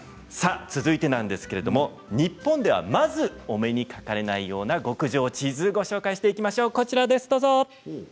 続いては日本では、まずお目にかかれないような極上チーズをご紹介していきましょう。